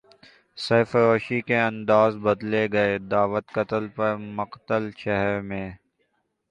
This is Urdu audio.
سرفروشی کے انداز بدلے گئے دعوت قتل پر مقتل شہر میں